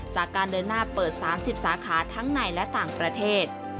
จากการเดินหน้าเปิด๓๐สาขาทั้งในและต่างประเทศ